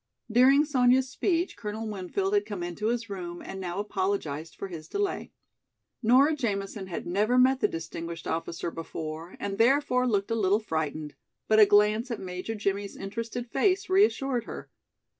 During Sonya's speech Colonel Winfield had come into his room and now apologized for his delay. Nora Jamison had never met the distinguished officer before, and therefore looked a little frightened, but a glance at Major Jimmie's interested face reassured her.